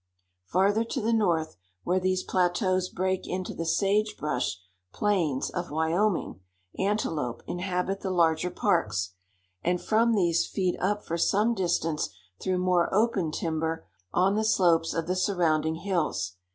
Farther to the north, where these plateaus break into the sage brush plains of Wyoming, antelope inhabit the larger parks, and from these feed up for some distance through more open timber on the slopes of the surrounding hills.